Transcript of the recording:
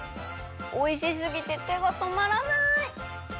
おいしすぎててがとまらない！